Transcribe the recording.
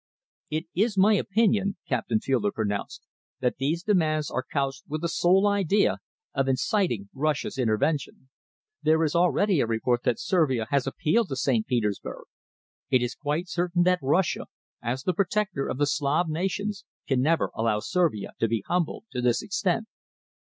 "It is my opinion," Captain Fielder pronounced, "that these demands are couched with the sole idea of inciting Russia's intervention. There is already a report that Servia has appealed to St. Petersburg. It is quite certain that Russia, as the protector of the Slav nations, can never allow Servia to be humbled to this extent."